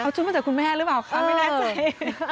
เอาชุดมาจากคุณแม่หรือเปล่าคะไม่แน่ใจ